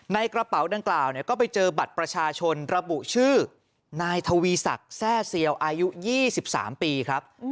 ในกระเป๋าดังกล่าวก็ไปเจอบัตรประชาชนระบุชื่อนายทวีศักดิ์แทร่เซียวอายุ๒๓ปีครับ